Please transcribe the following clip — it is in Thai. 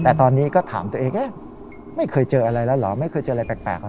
แต่ตอนนี้ก็ถามตัวเองไม่เคยเจออะไรแล้วเหรอไม่เคยเจออะไรแปลกเหรอ